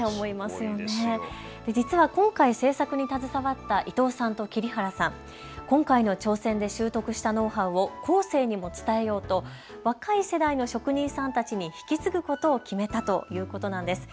実は今回製作に携わった伊藤さんと桐原さん、今回の挑戦で習得したノウハウを後世にも伝えようと若い世代の職人さんたちに引き継ぐことを決めたということなんです。